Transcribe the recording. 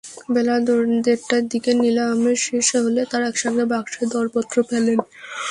বেলা দেড়টার দিকে নিলাম শেষ হলে তাঁরা একসঙ্গে বাক্সে দরপত্র ফেলেন।